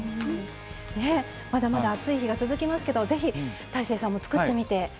ねっまだまだ暑い日が続きますけど是非大晴さんも作ってみて。